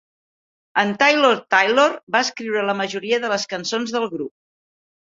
En Taylor-Taylor va escriure la majoria de les cançons del grup.